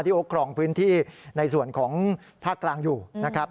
เขาครองพื้นที่ในส่วนของภาคกลางอยู่นะครับ